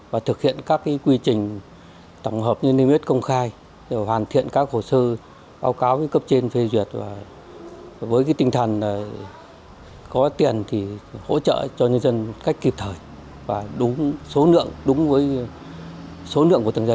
và thực hiện các quy trình tổng hợp như niêm yết công khai